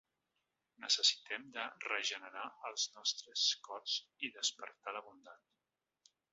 Necessitem de regenerar els nostres cors i despertar la bondat.